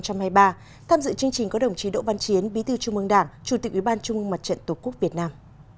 tham dự chương trình có đồng chí đỗ văn chiến bí thư trung mương đảng chủ tịch ủy ban trung mương mặt trận tổ quốc việt nam